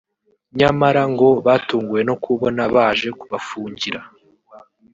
nyamara ngo batunguwe no kubona baje kubafungira